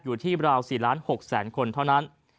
อยู่ที่ราว๔๖๐๐๐คนเท่านั้น